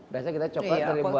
biasanya kita coklat dari buah apa